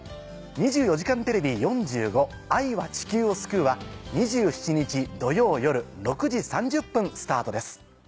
『２４時間テレビ４５愛は地球を救う』は２７日土曜夜６時３０分スタートです。